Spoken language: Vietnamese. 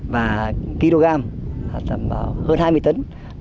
và kg tầm hơn hai mươi tấn